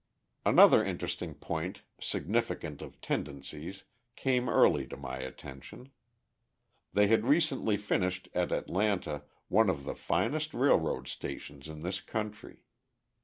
Another interesting point significant of tendencies came early to my attention. They had recently finished at Atlanta one of the finest railroad stations in this country.